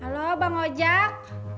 did belum cek